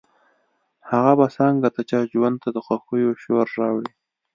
هغه به څنګه د چا ژوند ته د خوښيو شور راوړي.